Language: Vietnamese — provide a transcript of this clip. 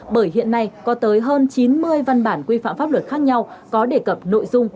bởi hiện nay có tới hơn chín mươi văn bản quy phạm pháp luật khác nhau có đề cập nội dung